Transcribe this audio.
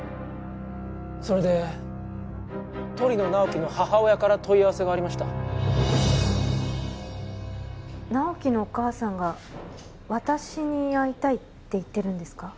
それで鳥野直木の母親から問い合わせがありました直木のお母さんが私に会いたいって言ってるんですか？